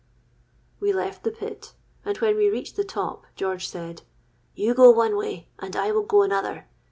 "We left the pit; and when we reached the top, George said, 'You go one way, and I will go another.